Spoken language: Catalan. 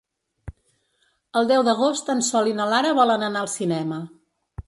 El deu d'agost en Sol i na Lara volen anar al cinema.